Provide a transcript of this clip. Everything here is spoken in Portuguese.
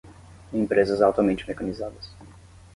empresas altamente mecanizadas